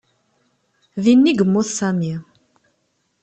Din ay yemmut Sami.